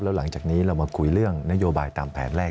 แล้วหลังจากนี้เรามาคุยเรื่องนโยบายตามแผนแรก